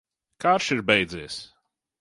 Karš ir beidzies!